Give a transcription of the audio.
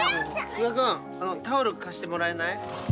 久我君タオル貸してもらえない？